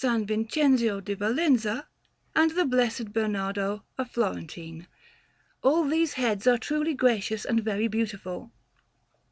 Vincenzio di Valenza; and the Blessed Bernardo, a Florentine. All these heads are truly gracious and very beautiful.